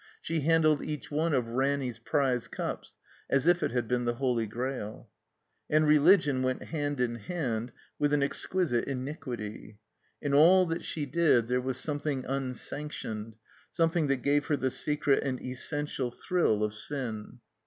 She handled each one of Ranny's prize cups as if it had been the Holy Grail. And religion went hand in hand with an exquisite iniquity. In all that she did there was something unsanctioned, something that gave her the secret and essential thrill of sin.